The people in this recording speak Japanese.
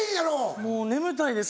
もう眠たいです。